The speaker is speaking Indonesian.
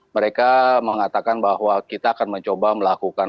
mereka mengatakan bahwa kita akan mencoba melakukan